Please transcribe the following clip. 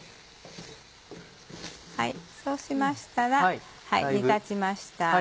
そうしましたら煮立ちました。